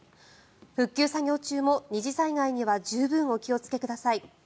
復旧作業中も二次災害には十分お気をつけください。